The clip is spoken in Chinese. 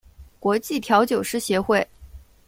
国际调酒师协会